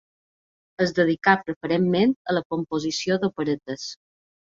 Es dedicà preferentment, a la composició d'operetes.